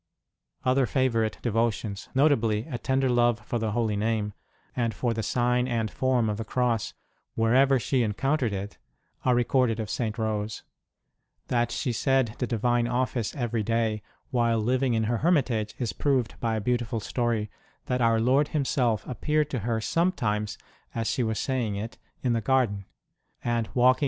Other favourite devotions, notably a tender love for the Holy Name, and for the sign and form of the Cross wherever she encountered it, are re corded of St. Rose. That she said the Divine Office every day while living in her hermitage is proved by a beautiful story that Our Lord Himself appeared to her sometimes as she was saying it in the garden ; and, walking up and down the paths selves.